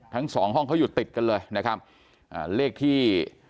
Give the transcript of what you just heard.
ทั้งสองห้องเขาอยู่ติดกันเลยนะครับอ่าเลขที่